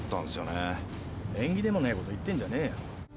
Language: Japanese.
「縁起でもねえこと言ってんじゃねえよ」